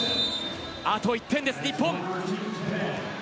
あと１点です、日本。